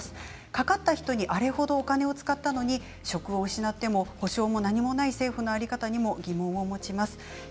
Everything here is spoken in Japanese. かかった人にあれ程お金を使ったのに職を失っても保障も何もない政府の在り方にも疑問を持ちます。